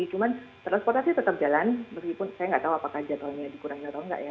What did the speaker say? cuma transportasi tetap jalan meskipun saya nggak tahu apakah jadwalnya dikurangi atau enggak ya